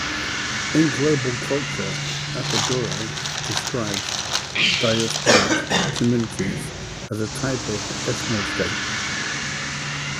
In "Global Culture", Appadurai describes diasporic communities as a type of ethnoscape.